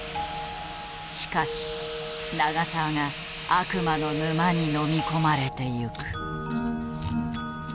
しかし長澤が悪魔の沼にのみ込まれてゆく。